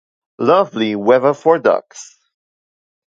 Lovely weather for ducks!